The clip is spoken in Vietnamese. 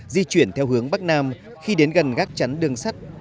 di chuyển theo hướng bắc nam khi đến gần gác chắn đường sắt